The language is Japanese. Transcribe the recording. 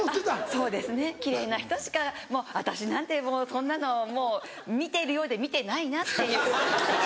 そうですね奇麗な人しか私なんてもうそんなのもう見ているようで見てないなっていう。